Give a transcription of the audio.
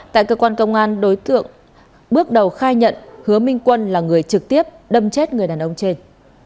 tại cơ quan công an đối tượng bước đầu khai nhận hứa minh quân là người trực tiếp đâm chết người đàn ông trên